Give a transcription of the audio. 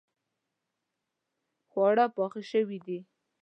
خواړه پاخه شوې دي